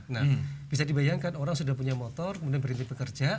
nah bisa dibayangkan orang sudah punya motor kemudian berhenti bekerja